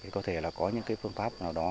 có thể là có những phương pháp nào đó